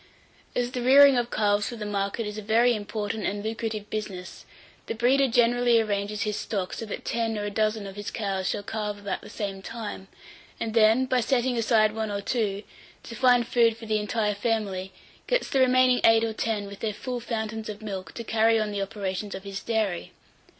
As the rearing of calves for the market is a very important and lucrative business, the breeder generally arranges his stock so that ten or a dozen of his cows shall calve about the same time; and then, by setting aside one or two, to find food for the entire family, gets the remaining eight or ten with their full fountains of milk, to carry on the operations of his dairy.